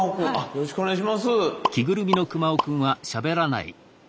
よろしくお願いします。